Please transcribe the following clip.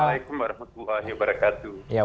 selamat pagi assalamualaikum wr wb